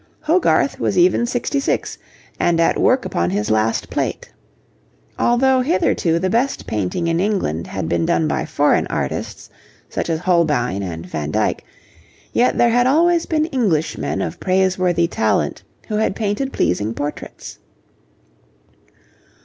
Hogarth was even sixty six, and at work upon his last plate. Although, hitherto, the best painting in England had been done by foreign artists such as Holbein and Van Dyck, yet there had always been Englishmen of praiseworthy talent who had painted pleasing portraits.